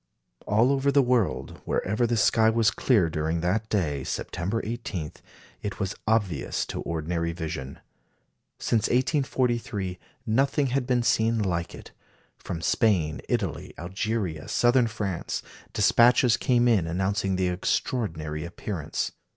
" All over the world, wherever the sky was clear during that day, September 18, it was obvious to ordinary vision. Since 1843 nothing had been seen like it. From Spain, Italy, Algeria, Southern France, despatches came in announcing the extraordinary appearance.